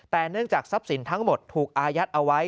แต่เนื่องจากทรัพย์สินทั้งหมดถูกอายัดเอาไว้